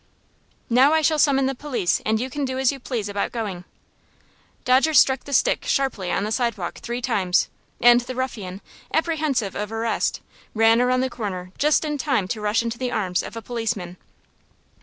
"Now I shall summon the police, and you can do as you please about going." Dodger struck the stick sharply on the sidewalk three times, and the ruffian, apprehensive of arrest, ran around the corner just in time to rush into the arms of a policeman.